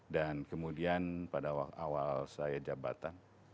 kemudian pada awal saya jabatan